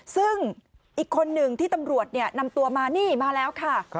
ซึ่งอีกคนหนึ่งที่ตำรวจนำตัวมานี่มาแล้วค่ะ